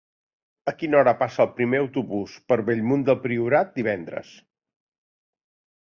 A quina hora passa el primer autobús per Bellmunt del Priorat divendres?